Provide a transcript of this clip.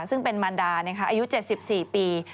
ซึ่งเป็นมารดาอายุ๗๔ปี